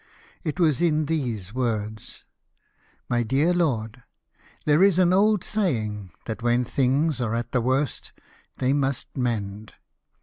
It was in these words: — "My deaii lord — There is an old saying, that when things are at the Avorst, they niust mend.